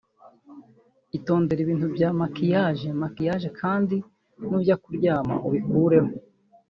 Itondere ibintu bya makiyaje(Maquillage)kandi nujya kuryama ubikureho